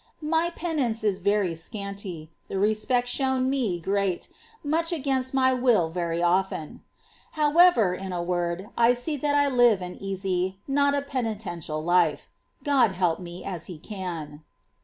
My penance is very scanty, the respect shown me great, much against my will very often. ^ However, in a word, I see that I live an easy, not a penitential, life ; God help me, as He can